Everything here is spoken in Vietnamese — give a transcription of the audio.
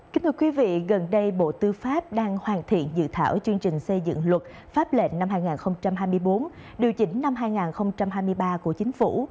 kính thưa quý vị gần đây bộ tư pháp đang hoàn thiện dự thảo chương trình xây dựng luật pháp lệnh năm hai nghìn hai mươi bốn điều chỉnh năm hai nghìn hai mươi ba của chính phủ